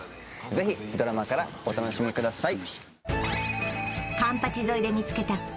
ぜひドラマからお楽しみください